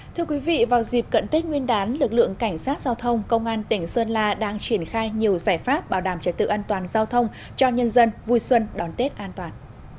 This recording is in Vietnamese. thưa quý vị vào dịp cận tết nguyên đán lực lượng cảnh sát giao thông công an tỉnh sơn la đang triển khai nhiều giải pháp bảo đảm trật tự an toàn giao thông cho nhân dân vui xuân đón tết an toàn